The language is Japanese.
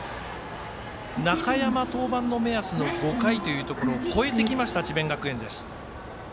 中山登板の目安の５回を超えてきました、智弁学園です。